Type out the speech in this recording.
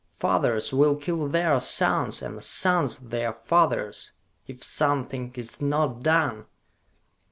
Fathers will kill their sons, and sons their fathers, if something is not done!